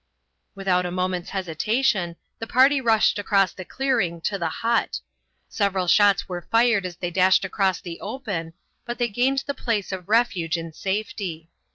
Without a moment's hesitation the party rushed across the clearing to the hut. Several shots were fired as they dashed across the open, but they gained the place of refuge in safety.